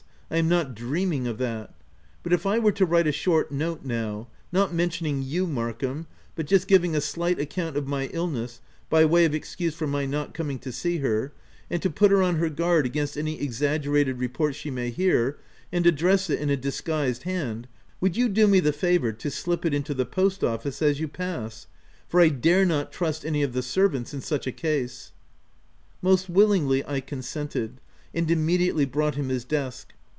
I am not dreaming of that ;— but if I were to write a short note, now — not mentioning you, Markham, but just giving a slight account of my illness, by way of excuse for my not coming to see her, and to put her on her guard against any exaggerated reports she may hear, — and address it in a disguised hand — would you do me the favour to slip it into the post office as you pass ? for I dare not trust any of the servants in such a case/' Most willingly I consented, and immediately brought him his desk.